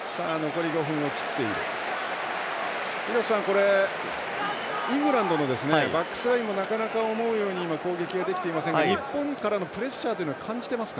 廣瀬さん、イングランドのバックスラインもなかなか思うように攻撃ができていませんが日本からのプレッシャーというのは感じてますか？